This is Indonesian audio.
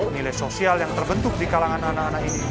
nilai sosial yang terbentuk di kalangan anak anak ini